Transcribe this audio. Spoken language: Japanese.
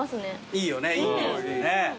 いいよねいい匂いするね。